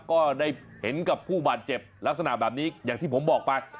ก็ได้เห็นกับผู้บาดเจ็บลักษณะแบบนี้อย่างที่ผมบอกไป